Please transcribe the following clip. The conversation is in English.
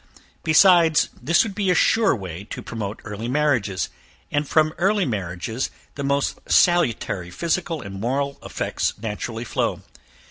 Besides, this would be a sure way to promote early marriages, and from early marriages the most salutary physical and moral effects naturally flow.